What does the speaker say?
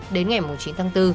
đến ngày chín tháng bốn